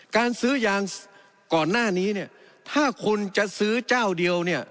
การซื้อยางก่อนหน้านี้เนี่ยถ้าคนจะซื้อเจ้าเดียวเนี่ย